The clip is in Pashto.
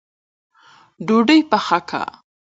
ډوډۍ پخه که